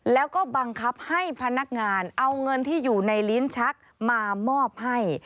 แล้วก็บังคับให้พนักงานเอาเงินที่อยู่ในลิ้นชักมามอบให้